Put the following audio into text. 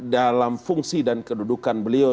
dalam fungsi dan kedudukan beliau